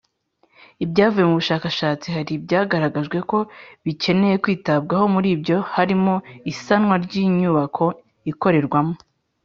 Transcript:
ibyavuye mu bushakashatsi hari ibyagaragajwe ko bikeneye kwitabwaho Muri ibyo harimo isanwa ry’inyubako ikorerwamo.